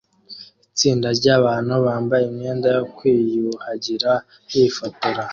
Itsinda ryabantu bambaye imyenda yo kwiyuhagira bifotora